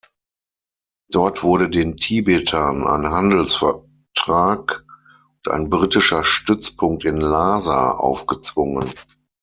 Dort wurde den Tibetern ein Handelsvertrag und ein britischer Stützpunkt in Lhasa aufgezwungen.